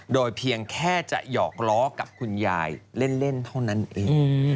โดยเพียงแค่จะหยอกล้อกับคุณยายเล่นเท่านั้นเอง